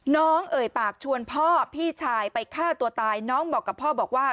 เอ่ยปากชวนพ่อพี่ชายไปฆ่าตัวตายน้องบอกกับพ่อบอกว่า